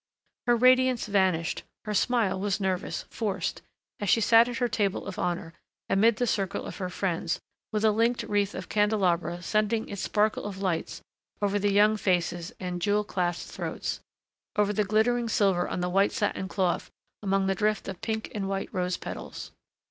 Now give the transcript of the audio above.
Her radiance vanished, her smile was nervous, forced, as she sat at her table of honor, amid the circle of her friends, with a linked wreath of candelabra sending its sparkle of lights over the young faces and jewel clasped throats, over the glittering silver on the white satin cloth among the drift of pink and white rose petals.